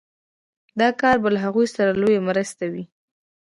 دا کار به له هغوی سره لويه مرسته وي